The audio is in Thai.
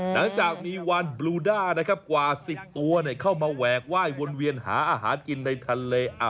หลังจากมีวันบลูด้านะครับกว่า๑๐ตัวเข้ามาแหวกไหว้วนเวียนหาอาหารกินในทะเล